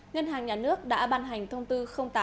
ngân hàng nhà nước đã ban hành thông tư tám hai nghìn hai mươi ba